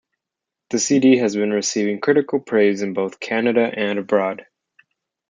The CD has been receiving critical praise both in Canada and abroad.